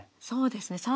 そうですね